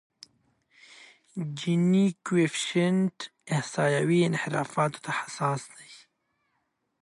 جیني کویفشینټ احصایوي انحرافاتو ته حساس دی.